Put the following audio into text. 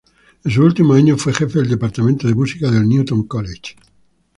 En sus últimos años fue jefe del Departamento de Música del Newton College.